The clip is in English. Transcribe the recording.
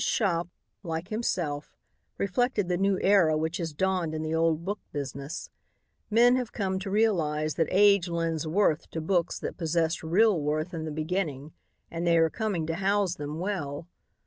His shop, like himself, reflected the new era which has dawned in the old book business. Men have come to realize that age lends worth to books that possessed real worth in the beginning and they are coming to house them well.